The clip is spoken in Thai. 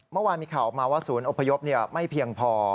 เมื่อวานมีข่าวออกมาว่าศูนย์อพยพไม่เพียงพอ